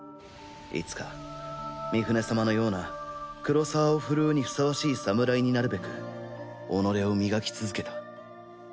いつかミフネ様のような黒澤を振るうにふさわしい侍になるべく己を磨き続けた。